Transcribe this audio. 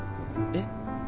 えっ？